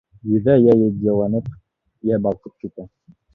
Йөҙө йә етдиләнеп, йә балҡып китә.